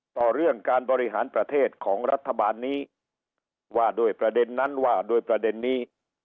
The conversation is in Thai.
ต่อเรื่องการบริหารประเทศของรัฐบาลนี้ว่าด้วยประเด็นนั้นว่าโดยประเด็นนี้